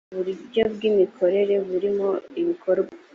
uburyo bw’imikorere burimo ibikorwa